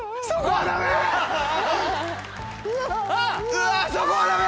うわそこはダメ！